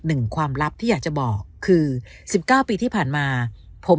หนึ่งความลับที่อยากจะบอกคือ๑๙ปีที่ผ่านมาผม